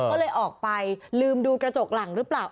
ก็เลยออกไปลืมดูกระจกหลังหรือเปล่า